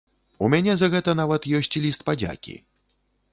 У мяне за гэта нават ёсць ліст падзякі.